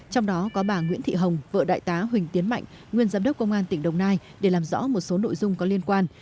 trong đó có bà nguyễn thị hồng vợ đại tá huỳnh tiến mạnh nguyên giám đốc công an tỉnh đồng nai để làm rõ một số nội dung có liên quan